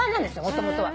もともとは。